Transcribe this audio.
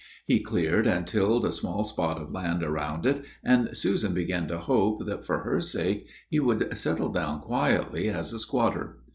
He cleared and tilled a small spot of land around it, and Susan began to hope that, for her sake, he would settle down quietly as a squatter.